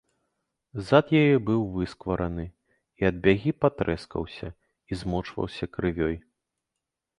Зад яе быў высквараны і ад бягі патрэскаўся і змочваўся крывёй.